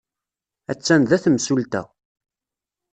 Attan da temsulta.